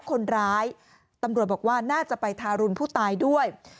คนร้ายตำรวจบอกว่าน่าจะไปทารุณผู้ตายด้วย